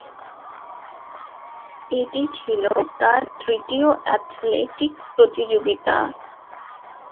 এটি ছিল তার তৃতীয় অ্যাথলেটিক প্রতিযোগিতা।